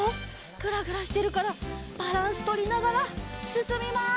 グラグラしてるからバランスとりながらすすみます。